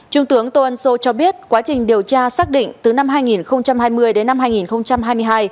trung tướng toan so cho biết quá trình điều tra xác định từ năm hai nghìn hai mươi đến năm hai nghìn hai mươi hai